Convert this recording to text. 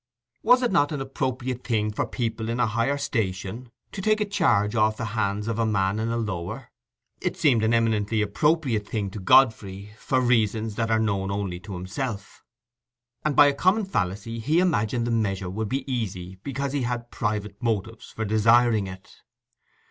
Was it not an appropriate thing for people in a higher station to take a charge off the hands of a man in a lower? It seemed an eminently appropriate thing to Godfrey, for reasons that were known only to himself; and by a common fallacy, he imagined the measure would be easy because he had private motives for desiring it.